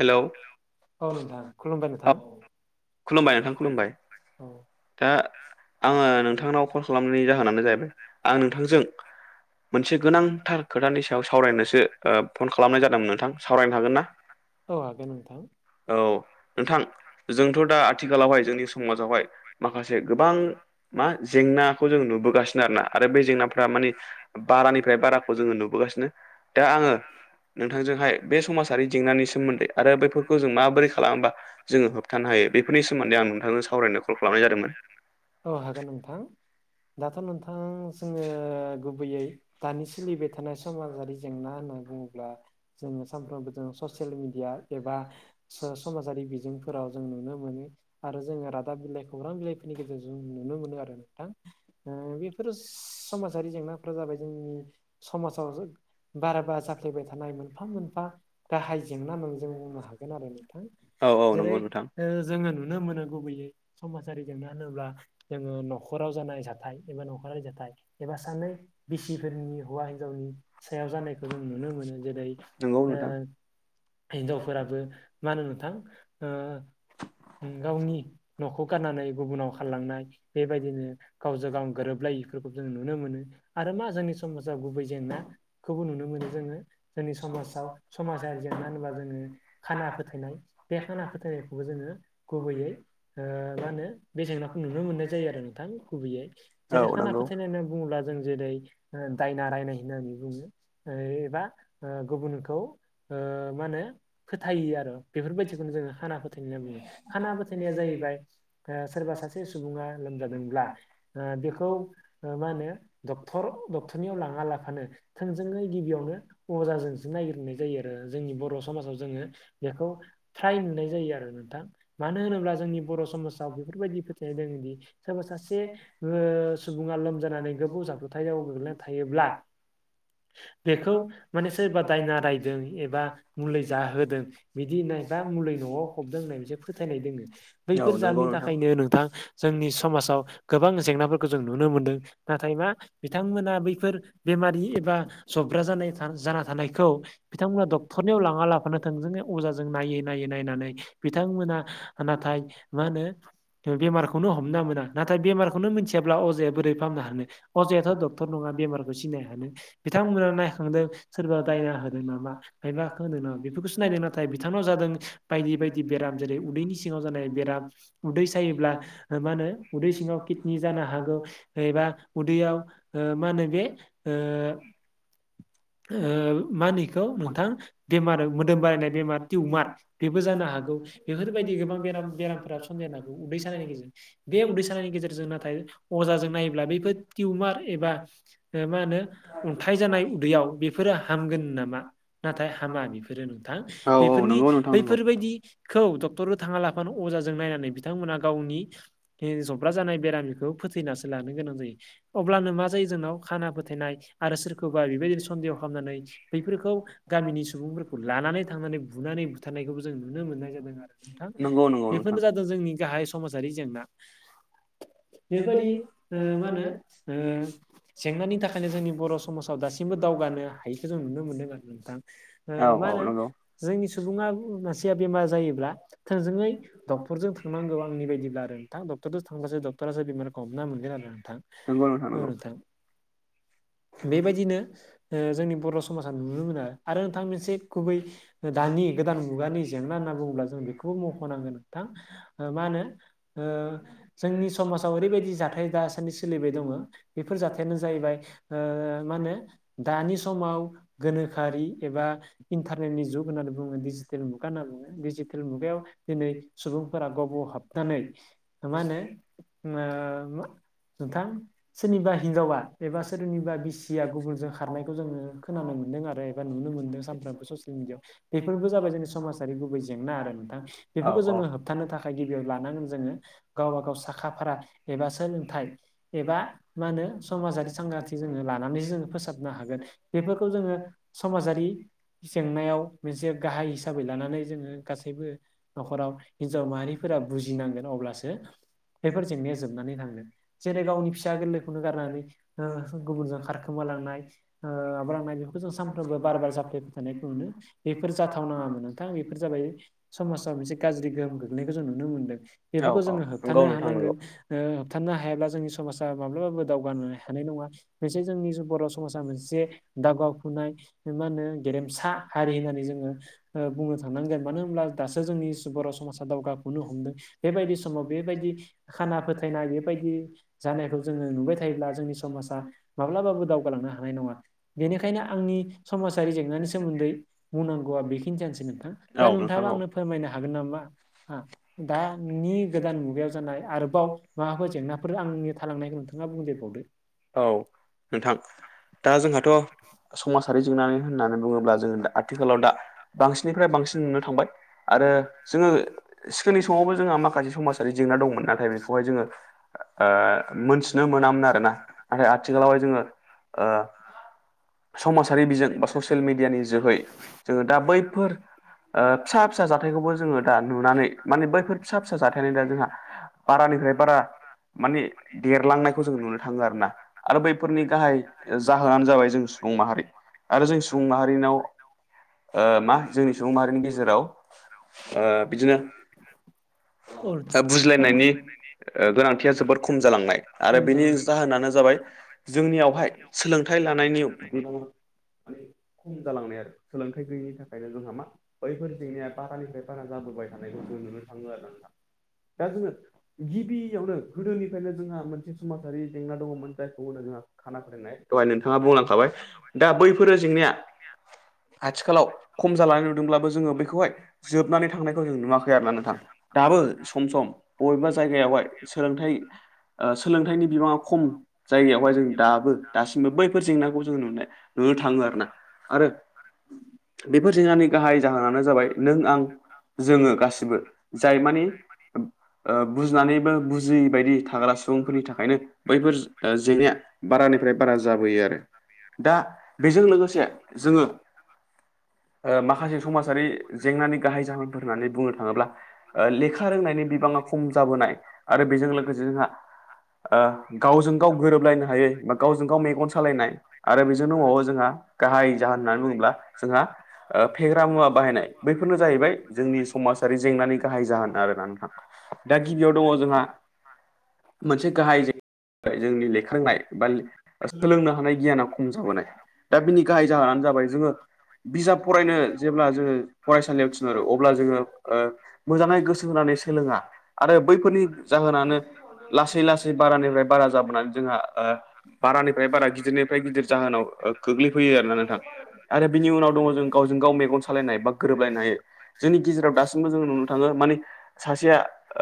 Hello औ नोंथां खुलुमबाय नोंथां। खुलुमबाय नोंथां खुलुमबाय औ दा आङो नोंथांनाव कल खालामनायनि जाहोनानो जाहैबाय आं नोंथांजों। मोनसे गोनांथार खोथानि सायाव सावरायनोसो ओ फन खालामनाय जादोंमोन नोंथां सावरायनो हागोन ना? औ हागोन नोंथां औ नोंथां जोंथ' नोंथां। दा आथिखालावहाय जोंनि समाजावहाय माखासे गोबां मा जेंनाखौ जों नुबोगासि आरोना आरो बे जेंनाफ्रा माने बारानिफ्राय बाराखौ जोङो नुबोगासिनो दा आङो नोंथांजोंहाय बे समाजारि जेंनानि सोमोन्दै आरो बेफोरखौ जों माबोरै खालामोबा जोङो होबथानो हायो। बेफोरनि सोमोन्दै आं नोंथांजों सावरायनो कल खालामनाय जादोंमोन। औ हागोन नोंथां दाथ' नोंथां जोङो गुबैयै दानि सोलिबाय थानाय समाजारि जेंना होनना बुङोब्ला जोङो सानफ्रोमबो जों ससियेल मिडिया एबा स-समाजारि बिजोंफोराव जों नुनो मोनो। आरो जोङो रादाब बिलाइ खौरां बिलाइफोरनि गेजेरजों नुनो मोनो आरो नोंथां ओ बे बेफोर समाजारि जेंनाफोरा जाबाय जोंनि समाजाव बाराबा जाफ्लेबाय थानाय मोनफा मोनफा गाहाय जेंना होननानै जों बुंनो हागोन आरो नोंथां औ औ जेरै नंगौ नोंथां जोङो नुनो मोनो गुबैयै समाजारि जेंना होनोब्ला जोङो न'खराव जानाय जाथाय एबा न'खरारि जाथाय एबा सानै बिसिफोरनि हौवा हिन्जावनि सायाव जानायखौ जों नुनो मोनो जेरै नोंगौ ओ नोंथां हिनजावफोराबो मा होनो नोंथां ओ गावनि न'खौ गारनानै गुबुनाव खारलांनाय बेबायदिनो गावजों गाव गोरोबलायिफोरखौ जों नुनो मोनो। आरो मा जोंनि समाजाव गुबै जेंनाखौबो नुनो मोनो जोङो जोंनि समाजाव समाजारि जेंना होनबा जोङो खाना फोथायनाय बे खाना फोथायनायखौबो जोङो गुबैयै ओ मा होनो बे जेंनाखौ नुनो मोननाय जायो आरो नोंथां गुबैयै जेरै औ खाना नंगौ। फोथायनाय होनना बुङोब्ला जों जेरै ओ दायना रायनाय होननानै बुङो। एबा ओ गुबुनखौ ओ मा होनो फोथायो आरो बेफोरबायदिखौनो जोङो खाना फोथायनाय होनना बुङो खाना फोथायनाया जाहैबाय ओ सोरबा सासे सुबुङा लोमजादोंब्ला ओ बेखौ ओ मा होनो डक्टर डक्टरनियाव लाङा लाफानो थोंजोङै गिबियावनो अजाजोंसो नायग्रोनाय जायो आरो। जोंनि बर' समाजाव जोङो बेखौ फ्राय नुनाय जायो आरो नोंथां मानो होनोब्ला जोंनि बर' समाजाव बेफोरबायदि फोथायनाय दोङोदि सोरबा सासे ओ सुबुङा लोमजानानै गोबौ जाब्रबथायाव गोग्लैना थायोब्ला बेखौ माने सोरबा दायना रायदों एबा मुलि जाहोदो बिदि होननाय बा मुलि न'आव फबदों होननाय बिसोर फोथायनाय दोङो औ बैफोर नंगौ जाहोननि नोंथां थाखायनो नोंथां जोंनि समाजाव गोबां जेंनाफोरखौ जों नुनो मोनदों नाथाय मा बिथांमोना बैफोर बेमारि एबा जब्रा जानाय जाना थानायखौ बिथांमोना डक्टरनियाव लाङा लाफानो थोंजोङै अजाजों नायै नायै नायनानै बिथांमोना नाथाय मा होनो बेमारखौनो हमना मोना नाथाय बेमारखौनो मोनथियाब्ला अजाया बोरै फाहामनो हानो। अजायाथ' डक्टर नङा बेमारखौ सिनायनो हानो बिथांमोना नायखांदों सोरबा दायना हो मा मा मायबा बेफोरखौसो नायदों नाथाय बिथांनाव जादों बायदि बायदि बेराम जेरै उन्दैनि सिङाव जानाय बेराम उदै सायोब्ला मा होनो उदै सिङाव किदनि जानो हागौ एबा उदैयाव ओ मा होनो बे ओ नोंथां बेमार मोदोम बारायनाय बेमार टिउमार बेबो जानो हागौ बेफोरबायदि गोबां बेराम बेरामफोरा सनदेरनो हांगौ उदै सानायनि गेजेरजों बे उदै सानायनि गेजेरजों नाथाय अजाजों नायोब्ला बैफोर टिउमार एबा ओ मा होनो अन्थाइ जानाय उदैयाव बेफोरो हामगोन नामा [inaudible] नाथाय हामा बेफोरो नोंथां औ औ बेफोरनि नंगौ नोंथां नंगौ बैफोर बेबायदिखौ डक्टरनो थाङा लाफानो अजाजों नायनानै बिथांमोना गावनि जब्रा जानाय बेरामिखौ फोथैनासो लानो गोनां जायो। अब्लानो मा जायो जोंनाव खाना फोथायनाय आरो सोरखोबा बेबायदिनो सन्देह खामनानै बैफोरखौ गामिनि सुबुंफोरखौ लानानै थांनानै बुनानै बुथारनायखौबो जों नुनो मोननाय जादों आरो। नोंथां नंगौ नंगौ नोंथां बेफोरनो जादों जोंनि गाहाय समाजारि जेंना बेबायदि ओ मा होनो ओ जेंनानि थाखायनो जोंनि बर' समाजाव दासिमबो दावगानो हायिखो जों नुनो मोनदों आरो। नोंथां औ ओ मा औ होनो नंगौ जोंनि सुबुङा मानसिया बेमार जायोब्ला थोंजोङै डक्टरजों थांनांगौ आंनि बायदिब्ला आरो [unintelligible] डक्टरो बेमारखौ हमना मोनगोन आरो नोंथां नंगौ औ नंगौ नोंथां बेबायदिनो जोंनि बर' समाजा नुनो मोनो आरो नोंथां मोनसे गुबै दानि गोदान मुगानि जेंना होनना बुङोब्ला जों बेखौबो मख'नांगोन थां मा होनो जोंनि समाजाव ओरैबायदि जाथाय दासान्दि सोलिबाय दङ बेफोर जाथायानो जाहैबाय मा होनो दानि समाव गोनोखो [unintelligible] एबा इन्टारनेटनि जुग होननानै बुङो डिजिटेल मुगा होनना बुङो डिजिटेल मुगायाव दिनै सुबुंफोरा गावबा-गाव हाबनानै मा होनो नोंथां सोरनिबा हिनजावा एबा सोरनिबा बिसिया गुबुनजों खारनायखौ जोङो खोनानो मोनदों आरो नुनो मोनदों सानफ्रामबो ससियेल मिडिआव बेफोरबो जाबाय जोंनि समाजारि गुबै जेंना आरो नोंथां बेफोरखौ जोङो होबथानो थाखाय गिबियाव लानांगोन जोङो गावबा गाव साखा फारा एबा सोलोंथाइ एबा मा होनो समाजारि सांग्रांथि जोङो लानानैसो जोङो फोसाबनो हागोन बेफोरखौ जोङो समाजारि जेंनायाव मोनसे गाहाय हिसाबै लानानै जोङो गासैबो न'खराव हिनजाव माहारिफोरा बुजिनांगोन अब्लासो बेफोर जेंनाया जोबनानै थाङो जेरै गावनि फिसा गोरलैखौनो गारनानै गुबुनजों खारखोमालांनाय माबालांनाय बेखौ जों सानफ्रोमबो बार बार जाफ्लायबाय थानायखौ मोनो बेफोर जाथावनाङामोन नोंथां बेफोर जाबाय समाजाव मोनसे गाज्रि गोहोम गोग्लैनायखौ जों नुनो मोनदों औ बेफोरखौ औ जोङो नंगौ होबथानो नोंथां नंगौ हानांगोन होबथानो हायाब्ला जोंनि समाजा माब्लाबाबो दावगानो हानाय नङा मोनसे जोंनि बर' समाजा मोनसे [unintelligible] नाय मा होनो गेरेमसा हारि होननानै जोङो बुंनो थांनांगोन मानो होनोमब्ला दासो जोंनि बर' समाजा दावगाखोननो हमदों बेबायदि समाव बेबायदि खाना फोथायनाय बेबायदि जानायखौ जोङो नुबाय थायोब्ला जोंनि समाजा माब्लाबाबो दावगालांनो हानाय नङा बेनिखायनो आंनि समाजारि जेंनानि सोमोन्दै बुंनांगौआ बेखिनि जानोसै नोंथां दा औ नोंथां नोंथाङाबा आंनो फोरमायनो हागोन नामा हा दानि गोदान मुगायाव जानाय आरोबाव माबाफोर जेंनाफोर आंनि थालांनायखौ नोंथां [unintelligible] औ नोंथां दा जोंहाथ' समाजारि जेंनानै होननानै बुङोब्ला जों आथिखालाव दा बांसिननिफ्राय बांसिन नुनो थांबाय आरो जोङो सिगांनि समावबो जोंहा माखासे समाजारि जेंना दंमोन नाथाय बेखौहाय जोङो मोनथिनो मोनामोन आरोना नाथाय आ [unintelligible] समाजारि बिजों बा ससियेल मिडियानि जोहै जोङो दा बैफोर [unintelligible] फिसा फिसा जाथायखौबो जोङो दा नुनानै माने बैफोर फिसा फिसा जाथायानो दा जोंहा बारानिफ्राय बारा माने देरलांनायखौ जों नुनो थाङो आरो ना आरो बैफोरनि गाहाय जाहोनानो जाबाय जों सुबुं माहारि आरो जों सुबुं माहारिनाव ओ मा जोंनि सुबुं माहारिनि गेजेराव ओ बिदिनो [unintelligible] बुजिलायनायनि ओ गोनांथिया जोबोद खम जालांनाय आरो बेनि जाहोनानो जाबाय [unintelligible] जोंनियावहाय सोलोंथाइ लानायनि बिबाङा [unintelligible] माने खम जालांनाय आरो सोलोंथाइ गैयिनि थाखायनो जोंहा मा बैफोर जेंनाया बारानिफ्राय बारा जाबोबाय थानायखौ जों नुनो थाङो आरोना नोंथां [unintelligible] जोङो गिबियावनो गोदोनिफ्रायनो जोंहा मोनसे समाजारि जेंना दङमोन जायखौ [unintelligible] दहाय नोंथाङा बुंलांखाबाय दा बैफोरो जेंनाया [unintelligible] आथिखालाव खम जालांनाय नुदोंब्लाबो जोङो बैखौहाय जोबनानै थांनायखौ जों नुवाखै आरोना नोंथां [unintelligible] दाबो सम सम बबेबा जायगायावहाय सोलोंथाइ सोलोंथाइनि बिबाङा खम जायगायावहाय जों दाबो दासिमबो बैफोर जेंनाखौ जोङो नुनाय नुनो थाङो आरो ना आरो बेफोर जेंनानि गाहाय जाहोनानो जाबाय नों आं जोङो गासिबो [unintelligible] जाय मानि ओ बुजिनानैबो बुजियै बायदि थाग्रा [unintelligible] सुबुंफोरनि थाखायनो बैफोर जेंनाया बारानिफ्राय बारा जाबोयो आरो [unintelligible] दा बेजों लोगोसे जोङो ओ माखासे समाजारि जेंनानि गाहाय जाहोनफोर होननानै बुंनो थाङोब्ला लेखा रोंनायनि बिबाङा खम जाबोनाय आरो बेजों लोगोसे जोंहा ओ गावजों गाव गोरोबलायनो हायै बा गावजों गाव मेगन सालायनाय आरो बेजों दंबावो जोंहा गाहाय जाहोन होननानै बुङोब्ला जोंहा ओ फेग्रा मुवा बाहायनाय बैफोरनो [unintelligible] जाहैबाय जोंनि समाजारि जेंनानि गाहाय जाहोन [unintelligible] आरोना नोंथां दा गिबियाव दङ जोंहा [inaudible] मोनसे गाहाय जे सोलोंनो हानाय गियाना खम जाबोनाय [inaudible] दा बिनि गाहाय जाहोनानो जाबाय जोङो बिजाब फरायनो जेब्ला जोङो फरायसालियाव थिनहरो अब्ला जोङो ओ मोजाङै गोसो होनानै सोलोङा आरो बैफोरनि जाहोनानो लासै लासै [inaudible] बारानिफ्राय बारा जाबोनानै जोंहा बारानिफ्राय बारा गिदिरनिफ्राय गिदिर जाहोनाव गोग्लैफैयो आरोना नोंथां आरो बिनि उनाव दङ जों गावजों गाव मेगन सालायनाय बा गोरोबलायनाय जोंनि गेजेराव दासिमबो जों नुनो थाङो माने [unintelligible] सासेया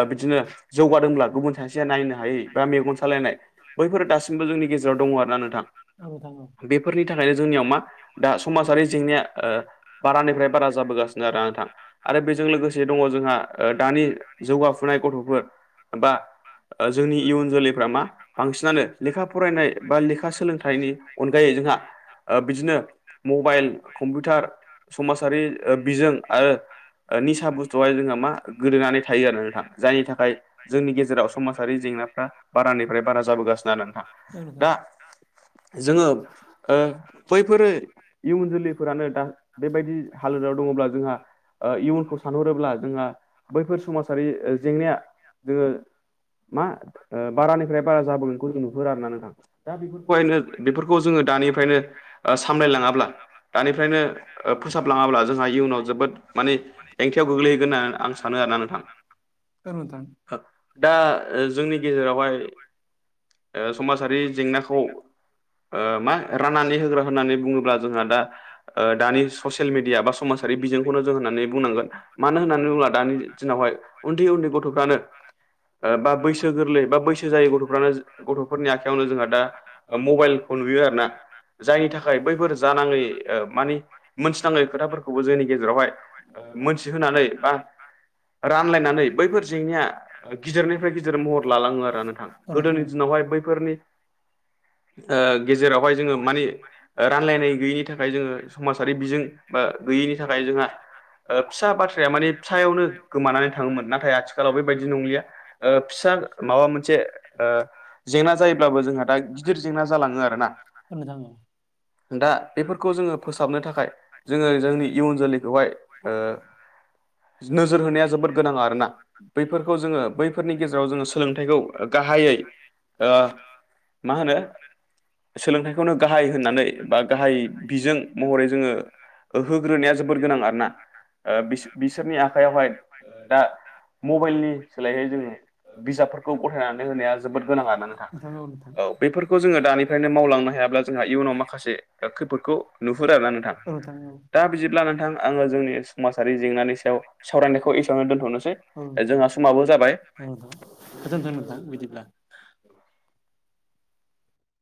ओ बिदिनो जौगादोंब्ला गुबुन सासेया नायनो हायै बा मेगन सालायनाय बैफोर दासिमबो जोंनि गेजेराव दङ आरोना नोंथां औ बेफोरनि थाखायनो जोंनियाव मा दा समाजारि जें [unintelligible] ओ बारानिफ्राय बारा जाबोगासिनो आरो नोंथां आरो बेजों लोगोसे दङ जोंहा दानि जौगाफुनाय गथ'फोर बा ओ जोंनि इयुन जोलै [inaudible] बा लेखा सोलोंथाइनि अनगायै जोंहा ओ ओ बिदिनो मबाइल बिसोनो कम्पिउटार समाजारि ओ मबाइल [inaudible] जोङा मा गोदोनानै थायो आरो नोंथां जायनि थाखाय जोंनि गेजेराव समाजारि जेंनाफ्रा बारानिफ्राय बारा जाबोगासिनो आरो नोंथां दा [inaudible] जोङो ओ बैफोरो [inaudible] इयुन जोलैफोरानो दा बेबायदि हालोदाव दङब्ला जोंहा ओ इयुनखौ सानहरोब्ला जोंहा बैफोर समाजारि जेंनाया जोङो मा ओ बारानिफ्राय बारा जाबोगोनखौ जों नुहुरो आरोना नोंथां दा बेफोरखौहायनो बेफोरखौ जोङो दानिफ्रायनो ओ सामलायलाङाब्ला दानिफ्रायनो ओ फोसाबलाङाब्ला जोंहा इयुनाव जोबोद माने [inaudible] हो दा जोंनि गेजेरावहाय ओ समाजारि जेंनाखौ ओ मा राननानै होग्रा होननानै बुङोब्ला जोंहा दा दानि ससियेल मिडिया बा समाजारि बिजोंखौनो जों होननानै बुंनांगोन मानो होननानै बुङोब्ला दानि दिनावहाय उन्दै उन्दै गथ'फ्रानो ओ बा बैसो गोरलै बा बैसो जायै गथ'फ्रानो गथ'फोरनि आखायावनो जोंहा दा मबाइलखौ नुयो आरोना [inaudible] जायनि थाखाय बैफोर जानाङै ओ मानि मोनथिनाङै [unintelligible] खोथाफोरखौबो जोंनि गेजेरावहाय मोनथिहोनानै बा [unintelligible] रानलायनानै बैफोर जेंनाया गिदिरनिफ्राय गिदिर गिदिर महर लालाङो आरो नोंथां औ गोदोनि दिनावहाय बैफोरनि ओ गेजेरावहाय जोङो मानि रानलायनाय गैयैनि थाखाय जोङो समाजारि बिजों बा गैयिनि थाखाय जोंहा ओ फिसा बाथ्राया मानि फिसायावनो गोमानानै थाङोमोन नाथाय आथिखाल आालाव बेबायदि नंलिया फिसा माबा मोनसे जेंना जायोब्लाबो जोंहा दा गिदिर जेंना जालाङो आरोना होननो थाङो दा बेफोरखौ जोङो नखौ फोसाबनो थाखाय जोंस जोंनि इयुन जोङो जोलैखौहाय ओ जोङो [unintelligible] नोजोर होनाया जोबोद [unintelligible] फोरनि गेजेराव जोङो सोलोंथाइखौ गाहायै मा होनो सोलोंथाइखौनो गाहाय होननानै बा गाहाय बिजों महरै जोङो होग्रोनाया जोबोर गोनां आरोना ओ बिसोरनि आखाइयावहाय दा [unintelligible] मबाइलनि सोलायहाय जोङो बिजाबफोरखौ गथायनानै होनाया जोबोद गोनां आरोा नोंथाङ औ बेफोरखौ जोङो दानिफ्रायनो मावलांनो हायाब्ला जोंहा इयुनाव माखासे खैफोदखौ नुहुरो आरोोना नोंथां दा बिदिब्ला नोंथां आङो जोंनि समाजारि जेंनानि सायाव सावरायनायखौ एसेयावनो दोन्थ'नोसै। जोंहा समाबो जाबाय। [unintelligible]